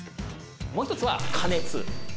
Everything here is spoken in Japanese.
「もう１つは加熱」